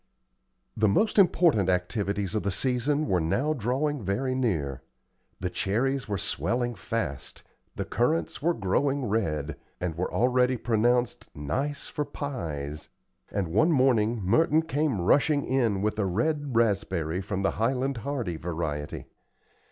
The most important activities of the season were now drawing very near. The cherries were swelling fast; the currants were growing red, and were already pronounced "nice for pies;" and one morning Merton came rushing in with a red raspberry from the Highland Hardy variety.